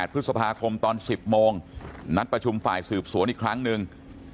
ไปประชุมฝ่ายสืบสวนอีกครั้งนึง